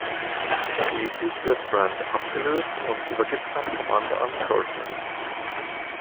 Schließlich wird Brand abgelöst und übergibt sein Kommando an Courtney.